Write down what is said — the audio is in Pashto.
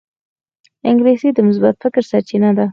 انګلیسي د مثبت فکر سرچینه ده